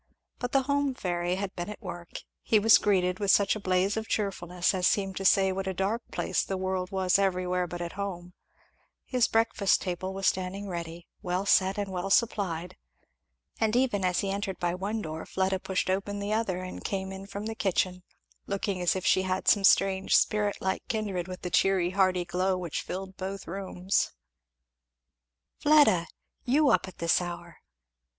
But the home fairy had been at work; he was greeted with such a blaze of cheerfulness as seemed to say what a dark place the world was everywhere but at home; his breakfast table was standing ready, well set and well supplied; and even as he entered by one door Fleda pushed open the other and came in from the kitchen, looking as if she had some strange spirit like kindred with the cheery hearty glow which filled both rooms. "Fleda! you up at this hour!"